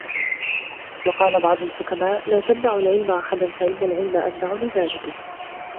وَقَالَ بَعْضُ الْحُكَمَاءِ لَا تَمْنَعُوا الْعِلْمَ أَحَدًا فَإِنَّ الْعِلْمَ أَمْنَعُ لِجَانِبِهِ